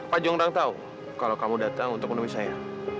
pak jongrang tahu kalau kamu datang untuk menemui saya